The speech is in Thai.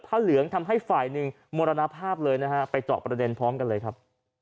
เหลืองทำให้ฝ่ายหนึ่งมรณภาพเลยนะฮะไปเจาะประเด็นพร้อมกันเลยครับ